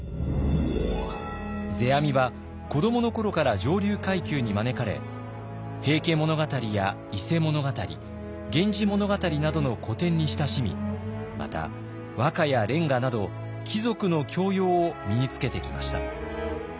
世阿弥は子どものころから上流階級に招かれ「平家物語」や「伊勢物語」「源氏物語」などの古典に親しみまた和歌や連歌など貴族の教養を身につけてきました。